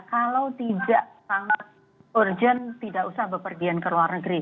kalau tidak sangat urgent tidak usah berpergian ke luar negeri